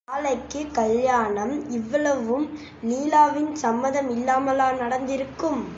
நாளைக்குக் கல்யாணம், இவ்வளவும் லீலாவின் சம்மதமில்லாமலா நடந்திருக்கும்?